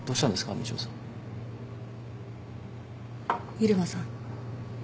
入間さん